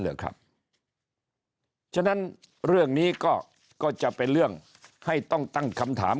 เหรอครับฉะนั้นเรื่องนี้ก็จะเป็นเรื่องให้ต้องตั้งคำถาม